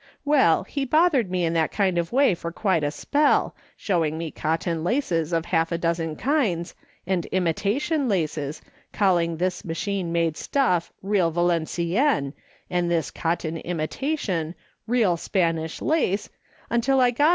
Well, he bothered me in that kind of way for quite a spell, showing me cotton laces of half a dozen kinds, and imitation laces, calling this machine made stuff 'real Valenciennes,' and this cottou imitation * real Spanish lace,' until I got out igS MRS.